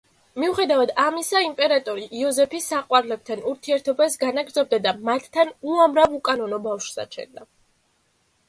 მიუხედავად ამისა, იმპერატორი იოზეფი საყვარლებთან ურთიერთობას განაგრძობდა და მათთან უამრავ უკანონო ბავშვს აჩენდა.